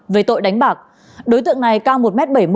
về tội đánh bạc đối tượng này cao một m bảy mươi